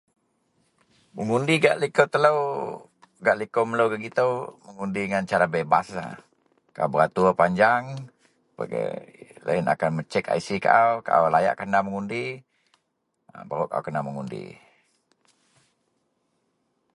mengundi gak liko telou gak liko melou itou, mengundi ngan cara bebaslah, au beratur panjang loyien akan mecek IC kaau, kaau layakkah da mengundi, baru kaau kena mengundi